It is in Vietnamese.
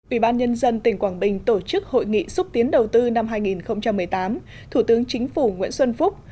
ủy ban nhân dân tỉnh quảng bình tổ chức hội nghị xúc tiến đầu tư năm hai nghìn một mươi tám thủ tướng chính phủ nguyễn xuân phúc